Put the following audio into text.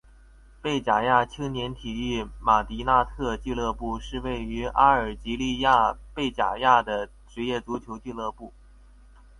贝贾亚青年体育马迪纳特俱乐部是位于阿尔及利亚贝贾亚的职业足球俱乐部。